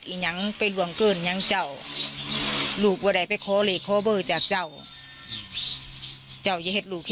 สีแดงเข้มเดี๋ยวเขาจะออกน้ำตาลหน่อย